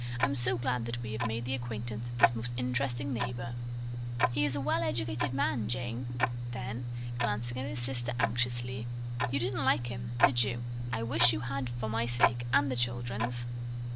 I'm so glad that we have made the acquaintance of this most interesting neighbor. He is a well educated man, Jane." Then glancing at his sister anxiously, "You didn't like him, did you? I wish you had for my sake and the children's."